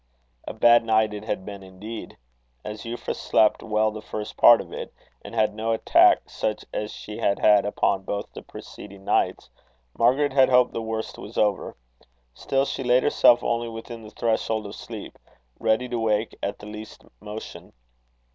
A bad night it had been indeed. As Euphra slept well the first part of it, and had no attack such as she had had upon both the preceding nights, Margaret had hoped the worst was over. Still she laid herself only within the threshold of sleep ready to wake at the least motion.